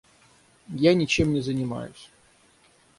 Я ничем не занимаюсь.